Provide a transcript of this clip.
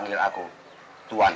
terima kasih pak